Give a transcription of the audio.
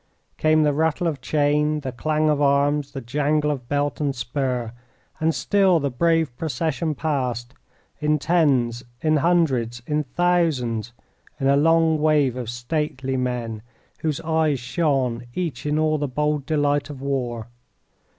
Came the rattle of chain, the clang of arms, the jangle of belt and spur; and still the brave procession passed, in tens, in hundreds, in thousands, in a long wave of stately men, whose eyes shone each in all the bold delight of war.